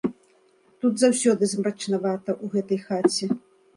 Тут заўсёды змрачнавата, у гэтай хаце.